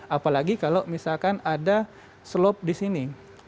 apalagi kalau misalkan ada slop di sini